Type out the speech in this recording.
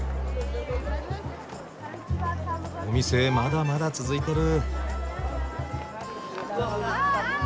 お店まだまだ続いてる。